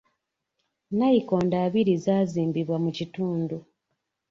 Nayikondo abiri zaazimbibwa mu kitundu.